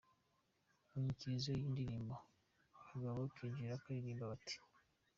Mu nyikirizo y’iyi ndirimbo abagabo binjira baririmba bati:.